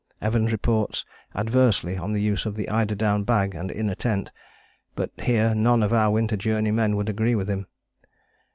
Evans reports adversely on the use of the eider down bag and inner tent, but here none of our Winter Journey men would agree with him.